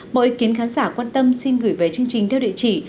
mọi ý kiến khán giả quan tâm xin gửi về chương trình theo địa chỉ